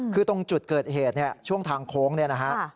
คือตรงจุดเกิดเหตุเนี่ยช่วงทางโค้งเนี่ยนะฮะ